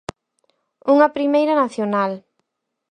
Unha primeira nacional.